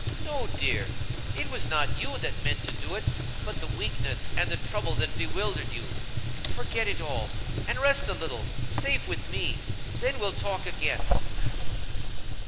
"No, dear; it was not you that meant to do it, but the weakness and the trouble that bewildered you. Forget it all, and rest a little, safe with me; then we'll talk again."